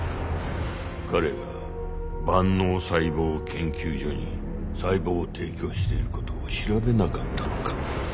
彼が万能細胞研究所に細胞を提供していることを調べなかったのか？